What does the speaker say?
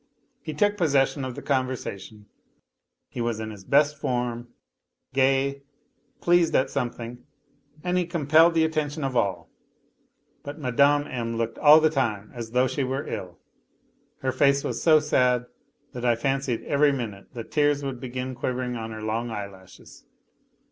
H took possession of the conversation; he was in his best form gay, pleased at something, and he compelled the attention of all but Mme. M. looked all the time as though she were ill ; her fac< was so sad that I fancied every minute that tears would begh quivering on her long eyelashes.